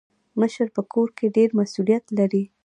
مشر په کور کي ډير مسولیت لري.